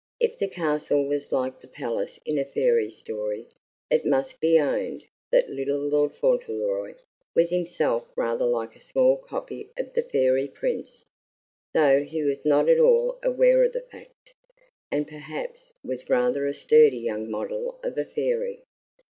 If the Castle was like the palace in a fairy story, it must be owned that little Lord Fauntleroy was himself rather like a small copy of the fairy prince, though he was not at all aware of the fact, and perhaps was rather a sturdy young model of a fairy.